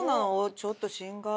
ちょっと心外。